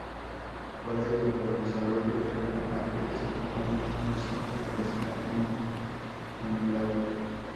Por ello, los desarrollos llevan a que este fenómeno no siempre parezca un "umlaut".